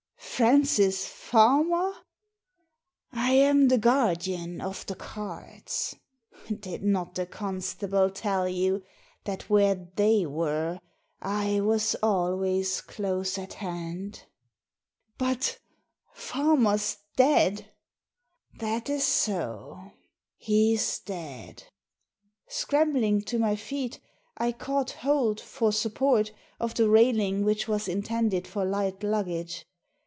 " Francis Farmer I "" I am the guardian of the cards. Did not the constable tell you that where they were I was always close at hand ?"« But— Farmer's dead I " "That is so. He's dead." Scrambling to my feet I caught hold, for support, of the railing which was intended for light luggage.